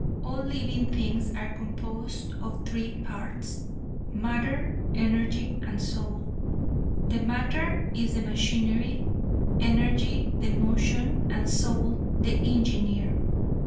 All living things are composed of three parts, matter, energy and soul. The matter is the machinery; energy the motion and soul the engineer.